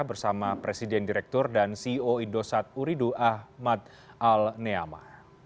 bersama presiden direktur dan ceo indosat uridu ahmad al neama